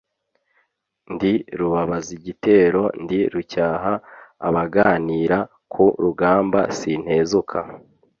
Ndi rubabaza igitero, ndi rucyaha abaganira, ku rugamba sintezuka